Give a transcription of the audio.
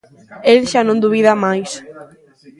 Él xa non dubida máis;